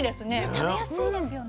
食べやすいですよね